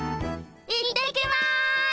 行ってきます！